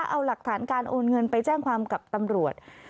เอาหลักฐานการโอนเงินไปแจ้งความกับตำรวจ